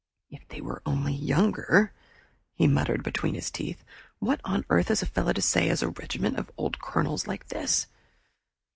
"If they were only younger," he muttered between his teeth. "What on earth is a fellow to say to a regiment of old Colonels like this?"